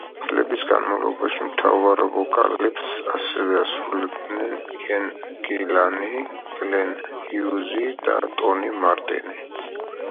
წლების განმავლობაში მთავარ ვოკალებს ასევე ასრულებდნენ იენ გილანი, გლენ ჰიუზი და ტონი მარტინი.